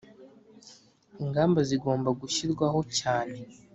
ingamba zigomba gushyirwaho cyane